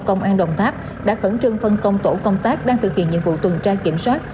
công an đồng tháp đã khẩn trương phân công tổ công tác đang thực hiện nhiệm vụ tuần tra kiểm soát